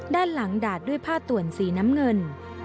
ด้านหลังดาดด้วยผ้าต่วนสีน้ำเงิน